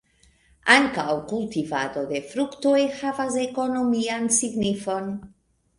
Ankaŭ kultivado de fruktoj havas ekonomian signifon.